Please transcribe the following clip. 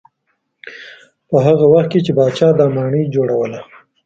په هغه وخت کې چې پاچا دا ماڼۍ جوړوله.